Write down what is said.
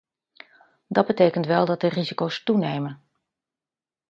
Dat betekent wel dat de risico's toenemen.